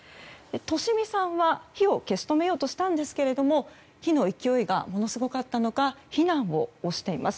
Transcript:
利美さんは火を消し止めようとしたんですけども火の勢いがものすごかったのか避難をしています。